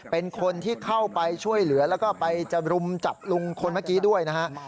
เป็นคนที่เข้าไปช่วยเหลือแล้วก็ไปจะรุมจับลุงคนเมื่อกี้ด้วยนะฮะ